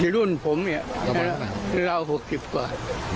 ที่รุ่นผมประมาณประมาณประมาณ๖๐กว่า